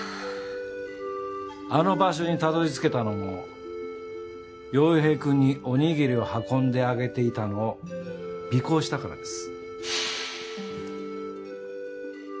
あの場所にたどりつけたのも陽平くんにおにぎりを運んであげていたのを尾行したからです。